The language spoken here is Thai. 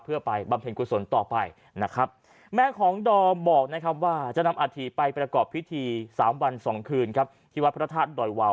เพื่อไปบำเพ็ญกุศลต่อไปนะครับแม่ของดอมบอกนะครับว่าจะนำอาธิไปประกอบพิธีสามวันสองคืนครับที่วัดพระธาตุดอยวาว